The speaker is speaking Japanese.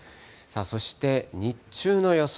そして、日中の予想